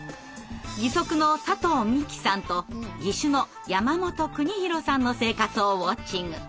義足の佐藤未希さんと義手のやまもとくにひろさんの生活をウォッチング。